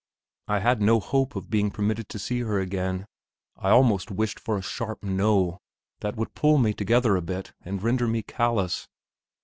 I had no hope of being permitted to see her again. I almost wished for a sharp No, that would pull me together a bit and render me callous.